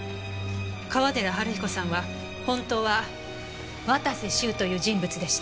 川寺治彦さんは本当は綿瀬修という人物でした。